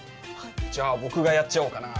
じゃあ僕がやっちゃおうかな。